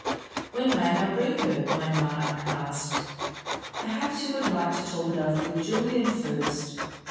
"When may I bring her!" Waymark asked. "Perhaps you would like to talk it over with Julian first?